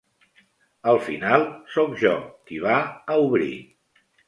Al final sóc jo, qui va a obrir.